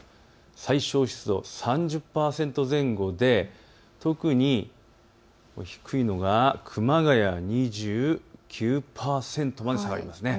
最小湿度３０％前後で特に低いのが熊谷２９％まで下がります。